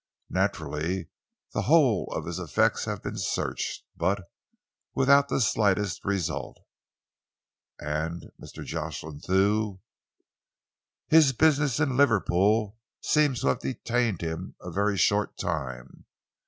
Naturally, the whole of his effects have been searched, but without the slightest result." "And and Mr. Jocelyn Thew?" "His business in Liverpool seems to have detained him a very short time.